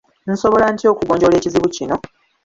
Nsobola ntya okugonjoola ekizibu kino?